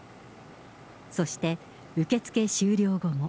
そして、受け付け終了後も。